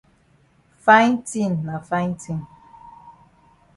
Fine tin na fine tin.